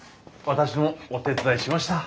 私もお手伝いしました。